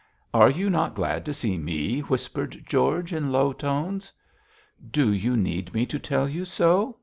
'Are you not glad to see me?' whispered George, in low tones. 'Do you need me to tell you so?'